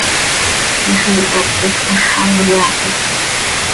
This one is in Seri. Quixiihat quih hax an iyaahit.